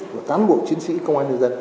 của tán bộ chiến sĩ công an nhân dân